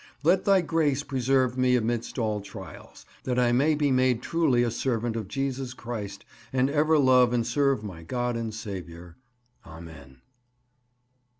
Let Thy grace preserve me amidst all trials, that I may be made truly a servant of Jesus Christ and ever love and serve my God and Saviour. Amen.